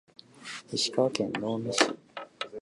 石川県能美市